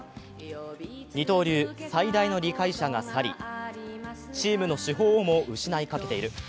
二刀流、最大の理解者が去りチームの主砲をも失いかけている。